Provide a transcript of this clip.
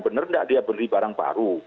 benar nggak dia beli barang baru